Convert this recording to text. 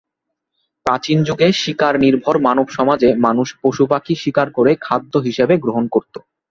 প্রাচীন যুগে শিকার নির্ভর মানব সমাজে মানুষ পশুপাখি শিকার করে খাদ্য হিসেবে গ্রহণ করত।